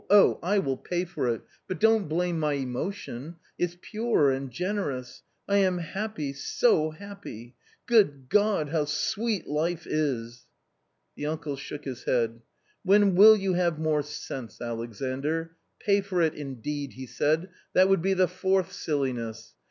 Oh 1 I will pay for it, but don't blame my emotion ; it's pure and generous ; I am happy, so happy ! Good God ! how sweet life is !" The uncle shook his head. " When will you have more sense, Alexandr. Pay for it indeed !" he said. " That would be the fourth silliness.